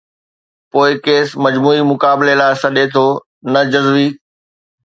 پوءِ ڪيس مجموعي مقابلي لاءِ سڏي ٿو ، نه جزوي.